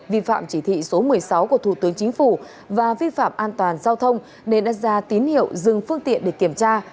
vi phạm chỉ thị số một mươi sáu của thủ tướng chính phủ và vi phạm an toàn giao thông nên đã ra tín hiệu dừng phương tiện để kiểm tra